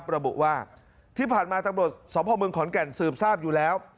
ระบบว่าที่ผ่านมาสพขอนแก่นสืบทราบอยู่แล้ว